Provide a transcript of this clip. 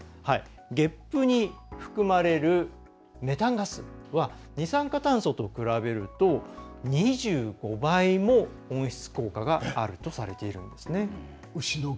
げっぷに含まれるメタンガスは二酸化炭素と比べると２５倍も温室効果があるとされているんです。